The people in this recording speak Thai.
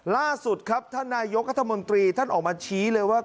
ล่าสุดครับท่านนายกรัฐมนตรีท่านออกมาชี้เลยว่า